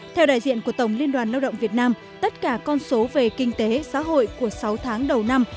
theo đại diện của tổng liên đoàn lao động việt nam tất cả con số về kinh tế xã hội của sáu tháng đầu năm